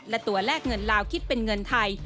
และตัวแรกเงินลาวคิดเป็นเงินไทย